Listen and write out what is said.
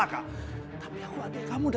saat ini kami tiada